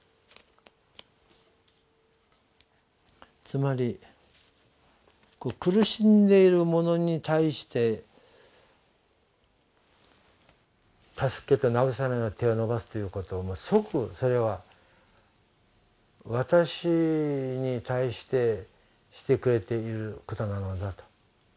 つまり苦しんでいる者に対して助けて慰めの手を伸ばすということ即それは私に対してしてくれていることなのだと。